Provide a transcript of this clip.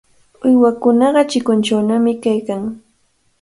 Uywakunaqa chikunchawnami kaykan.